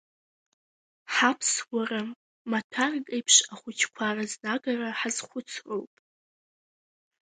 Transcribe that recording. Ҳаԥсуара маҭәарк еиԥш ахәыҷқәа рызнагара ҳазхәыцроуп.